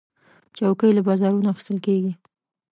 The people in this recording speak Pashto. چوکۍ له بازارونو اخیستل کېږي.